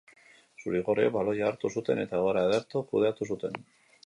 Zuri-gorriek baloia hartu zuten eta egoera ederto kudeatu zuten.